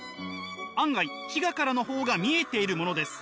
案外非我からの方が見えているものです。